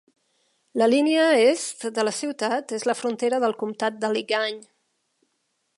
La línia est de la ciutat és la frontera del comptat d'Allegany.